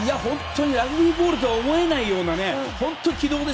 ラグビーボールとは思えない軌道で。